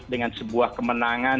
dengan sebuah kemenangan